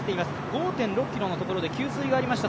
５．６ｋｍのところで給水がありました。